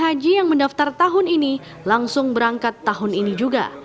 haji yang mendaftar tahun ini langsung berangkat tahun ini juga